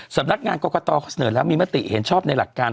สำนักงานกรกตเขาเสนอแล้วมีมติเห็นชอบในหลักการ